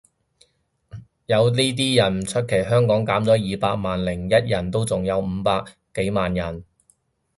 有呢啲人唔出奇，香港減咗二百萬零一人都仲有五百幾萬人